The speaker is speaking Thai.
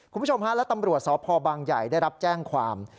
คุณผู้ชมฮะและตำรวจสพบางใหญ่ได้รับแจ้งความ